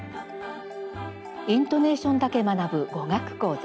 「イントネーションだけ学ぶ語学講座」。